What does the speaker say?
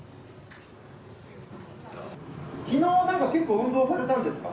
きのう、なんか結構運動されたんですか？